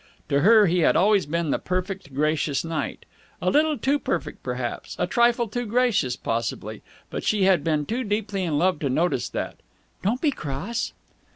To her he had always been the perfect, gracious knight. A little too perfect, perhaps, a trifle too gracious, possibly, but she had been too deeply in love to notice that. "Don't be cross!"